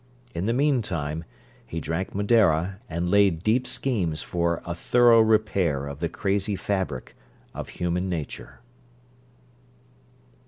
In the mean time, he drank Madeira, and laid deep schemes for a thorough repair of the crazy fabric of human nature.